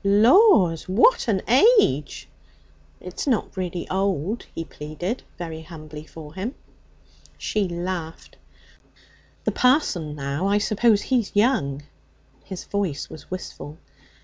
'Laws! what an age!' 'It's not really old,' he pleaded, very humbly for him. She laughed. 'The parson, now, I suppose he's young?' His voice was wistful.